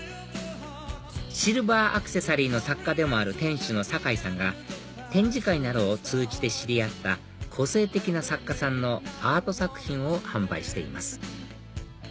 シルバーアクセサリーの作家でもある店主の境さんが展示会などを通じて知り合った個性的な作家さんのアート作品を販売しています